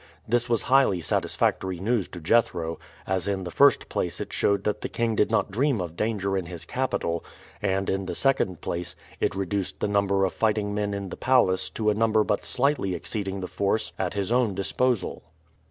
This was highly satisfactory news to Jethro, as in the first place it showed that the king did not dream of danger in his capital; and, in the second place, it reduced the number of fighting men in the palace to a number but slightly exceeding the force at his own disposal.